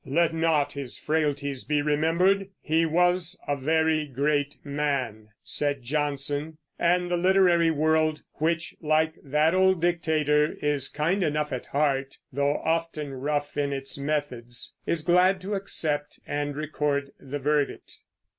"Let not his frailties be remembered; he was a very great man," said Johnson; and the literary world which, like that old dictator, is kind enough at heart, though often rough in its methods is glad to accept and record the verdict.